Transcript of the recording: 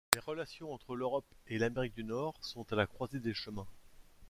Les relations entre l'Europe et l'Amérique du Nord sont à la croisée des chemins.